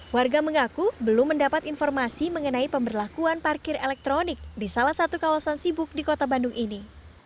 warga mengaku belum mendapat informasi mengenai pemberlakuan parkir elektronik di salah satu kawasan sibuk di kota bandung ini